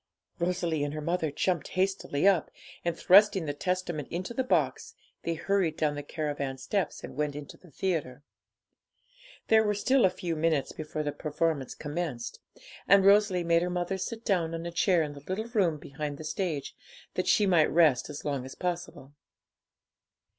Rosalie and her mother jumped hastily up, and, thrusting the Testament into the box, they hurried down the caravan steps and went into the theatre. There were still a few minutes before the performance commenced; and Rosalie made her mother sit down on a chair in the little room behind the stage, that she might rest as long as possible.